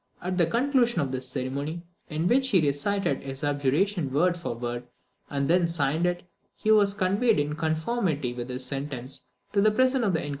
At the conclusion of this ceremony, in which he recited his abjuration word for word, and then signed it, he was conveyed, in conformity with his sentence, to the prison of the Inquisition.